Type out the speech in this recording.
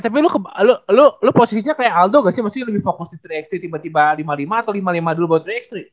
tapi lu lo posisinya kayak aldo gak sih pasti lebih fokus di tiga x tiga tiba tiba lima puluh lima atau lima lima dulu buat tiga x tiga